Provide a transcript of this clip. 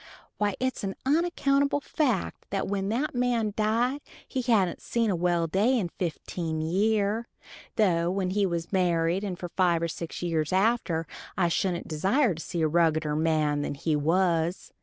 Why it's an onaccountable fact that when that man died he hadent seen a well day in fifteen year, though when he was married and for five or six years after I shouldent desire to see a ruggeder man that he was.